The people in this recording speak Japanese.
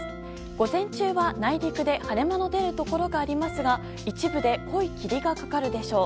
午前中は内陸で晴れ間の出るところがありますが一部で濃い霧がかかるでしょう。